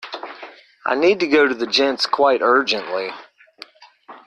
I need to go to the gents quite urgently